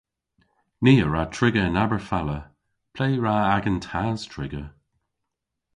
Ni a wra triga yn Aberfala. Ple hwra agan tas triga?